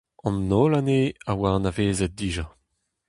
An holl anezhe a oa anavezet dija.